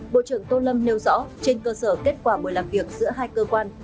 bộ trưởng tô lâm nêu rõ trên cơ sở kết quả buổi làm việc giữa hai cơ quan